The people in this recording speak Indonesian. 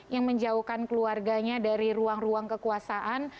yang menjauhkan keluarganya dari ruang ruang kekuasaan